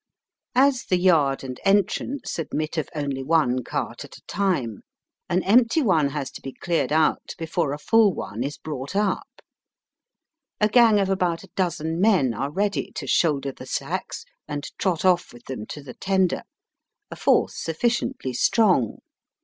As the yard and entrance admit of only one cart at a time, an empty one has to be cleared out before a fall one is brought up. A gang of about a dozen men are ready to shoulder the sacks and trot off with them to the tender, a force sufficiently strong.